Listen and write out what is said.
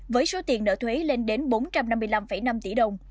với số tiền nợ thuế lên đến bốn trăm năm mươi năm năm tỷ đồng